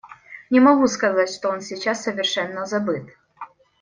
Не могу сказать, что он сейчас совершенно забыт.